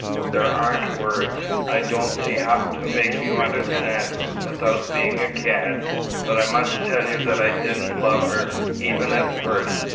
There aren't words I don't see how to make you understand, without being a cad. But I must tell you that I didn't love her, even at first.